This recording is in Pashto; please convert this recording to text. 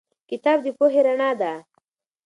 کتاب د پوهې رڼا ده.